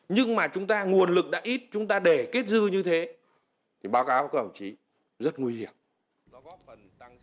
nhưng mà chúng ta nguồn lực đã ít chúng ta để kết dư như thế thì báo cáo của hậu trí rất nguy hiểm